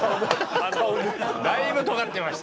だいぶ尖ってました。